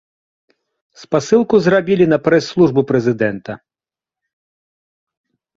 Спасылку зрабілі на прэс-службу прэзідэнта.